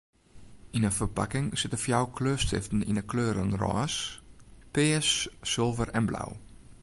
Yn in ferpakking sitte fjouwer skriuwstiften yn 'e kleuren rôs, pears, sulver en blau.